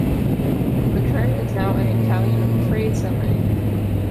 The term is now an Italian phraseme.